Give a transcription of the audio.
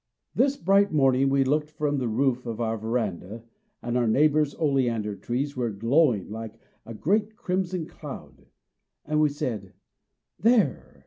This bright morning we looked from the roof of our veranda, and our neighbor's oleander trees were glowing like a great crimson cloud; and we said, "There!